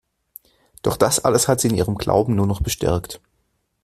Doch das alles hat sie in ihrem Glauben nur noch bestärkt.